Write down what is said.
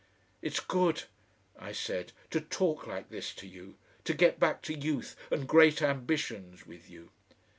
"It's good," I said, "to talk like this to you, to get back to youth and great ambitions with you.